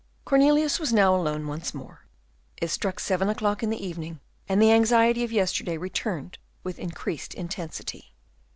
Cornelius was now alone once more; it was seven o'clock in the evening, and the anxiety of yesterday returned with increased intensity.